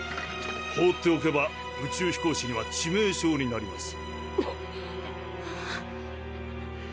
ほうっておけば宇宙飛行士には致命傷になります。